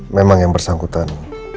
memang yang bersangkutan